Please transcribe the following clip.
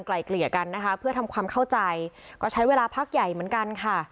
เกลี่ยกันนะคะเพื่อทำความเข้าใจก็ใช้เวลาพักใหญ่เหมือนกันค่ะ